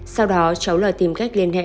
sau đó cháu lò tìm cách liên hệ